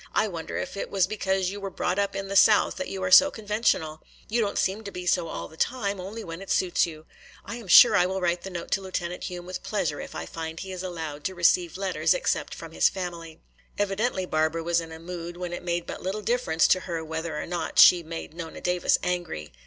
I wonder if it was because you were brought up in the south that you are so conventional? You don't seem to be so all the time, only when it suits you. I am sure I will write the note to Lieutenant Hume with pleasure if I find he is allowed to receive letters except from his family." Evidently Barbara was in a mood when it made but little difference to her whether or not she made Nona Davis angry.